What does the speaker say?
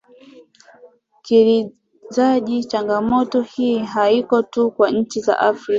kilizaji changamoto hii haiko tu kwa nchi za africa